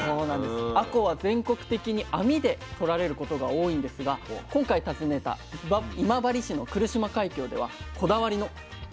あこうは全国的に網でとられることが多いんですが今回訪ねた今治市の来島海峡ではこだわりの一本釣りが行われています。